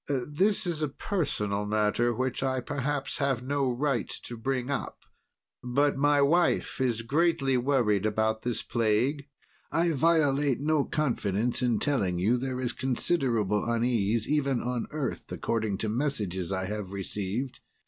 "This is a personal matter which I perhaps have no right to bring up. But my wife is greatly worried about this plague. I violate no confidence in telling you there is considerable unease, even on Earth, according to messages I have received.